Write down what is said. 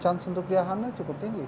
chance untuk dia hamil cukup tinggi